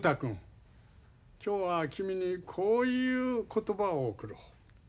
今日は君にこういう言葉を贈ろう。